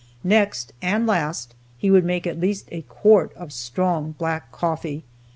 Next, and last, he would make at least a quart of strong, black coffee.